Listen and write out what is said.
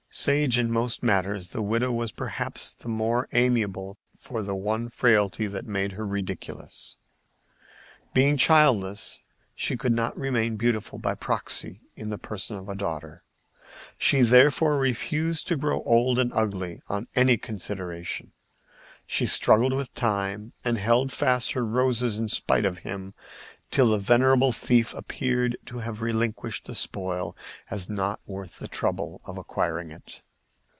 Sage in most matters, the widow was perhaps the more amiable for the one frailty that made her ridiculous. Being childless, she could not remain beautiful by proxy in the person of a daughter; she therefore refused to grow old and ugly on any consideration; she struggled with Time, and held fast her roses in spite of him, till the venerable thief appeared to have relinquished the spoil as not worth the trouble of acquiring it.